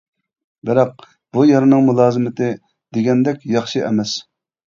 بىراق بۇ يەرنىڭ مۇلازىمىتى دېگەندەك ياخشى ئەمەس.